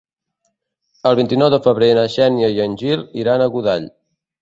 El vint-i-nou de febrer na Xènia i en Gil iran a Godall.